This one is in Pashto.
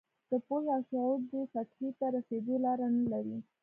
د پوهې او شعور دې سطحې ته رسېدو لاره نه لري.